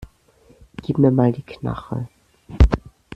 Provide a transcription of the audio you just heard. Gib mir mal die Knarre.